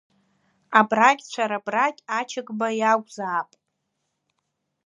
Абрагьцәа рабрагь Ачыгба иакәзаап.